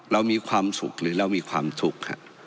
เรามีความสุขหรือเรามีความสุข